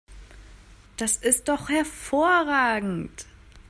Das ist doch hervorragend!